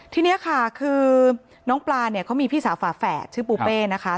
ทีนี้ค่ะคือน้องปลาเนี่ยเขามีพี่สาวฝาแฝดชื่อปูเป้นะคะ